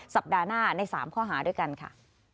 สัปดาห์หน้าใน๓ข้อหาด้วยกันค่ะ